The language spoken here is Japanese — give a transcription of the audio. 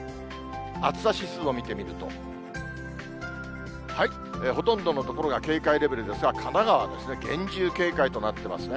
暑さ指数を見てみると、ほとんどの所が警戒レベルですが、神奈川ですね、厳重警戒となってますね。